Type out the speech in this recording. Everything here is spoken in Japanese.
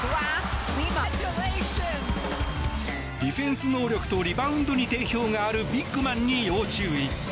ディフェンス能力とリバウンドに定評があるビッグマンに要注意！